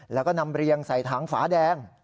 แล้วก็นำเรียงใส่ถังฝาแดง